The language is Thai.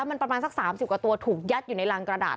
มันประมาณสัก๓๐กว่าตัวถูกยัดอยู่ในรังกระดาษ